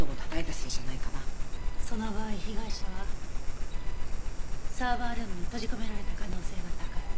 その場合被害者はサーバールームに閉じ込められた可能性が高い。